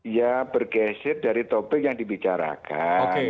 ya bergeser dari topik yang dibicarakan